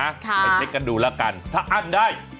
คะท้าท้าท้าท้าท้าท้าท้าท้าถ้าอันได้